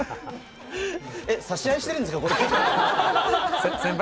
差し合いしてるんですか？